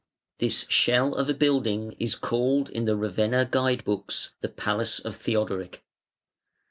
This shell of a building is called in the Ravenna Guide books "the Palace of Theodoric".